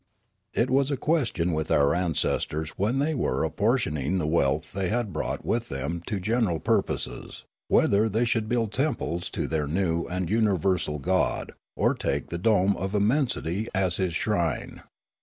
" It was a question with our ancestors when they were apportioning the wealth they had brought with them to general purposes, whether they should build temples to their new and universal god or take the dome of immensity as his shrine.